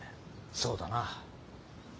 そうだな。